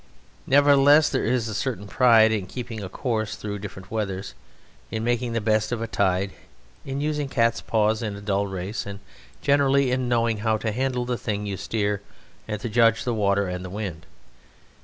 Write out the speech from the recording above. Nevertheless there is a certain pride in keeping a course through different weathers, in making the best of a tide, in using cats' paws in a dull race, and, generally, in knowing how to handle the thing you steer and to judge the water and the wind.